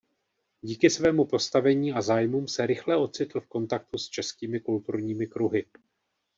Díky svému postavení a zájmům se rychle ocitl v kontaktu s českými kulturními kruhy.